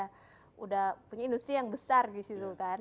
kita udah punya industri yang besar disitu kan